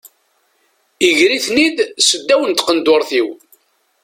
Iger-iten-id seddaw n tqendurt-iw.